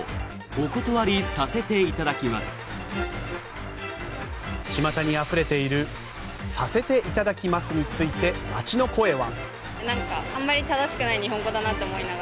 ちまたにあふれている「させていただきます」について街の声は。